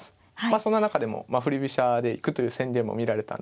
その中でも振り飛車でいくという宣言も見られたんで。